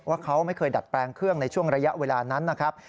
ว่าเขาไม่เคยดัดแปลงเครื่องในช่วงระยะเวลานั้นนะครับ